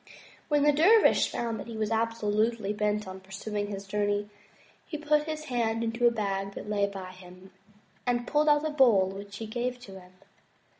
When the dervish found that he was absolutely bent on pur suing his journey, he put his hand into a bag that lay by him, and pulled out a bowl which he gave to him.